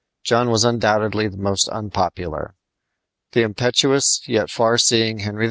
John was undoubtedly the most unpopular. The impetuous yet far seeing Henry II.